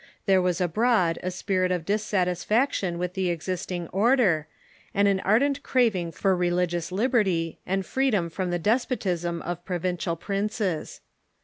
There Avas abroad a spirit of dissatisfaction with the existing order, and an ardent craving for religious liberty and freedom from the despotism of pro vincial princes.